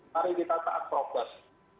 mari kita tak propes